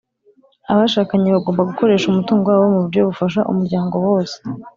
abashakanye bagomba gukoresha umutungo wabo mu buryo bufasha umuryango wose.